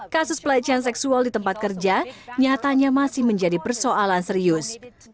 kasus pelecehan seksual di tempat kerja nyatanya masih menjadi persoalan serius